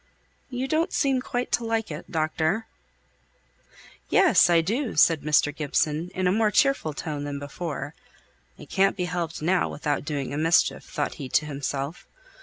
You don't seem quite to like it, doctor?" "Yes, I do," said Mr. Gibson in a more cheerful tone than before. "It can't be helped now without doing a mischief," thought he to himself.